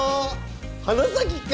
花咲か！